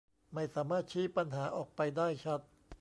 ไม่สามารถชี้ปัญหาออกไปได้ชัด